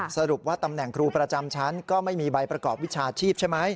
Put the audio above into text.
สรุปว่าตำแหน่งครูประจำชั้นก็ไม่มีใบประกอบวิชาชีพใช่ไหม